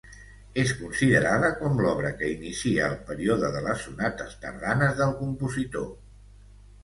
És considerada com l'obra que inicia el període de les sonates tardanes del compositor.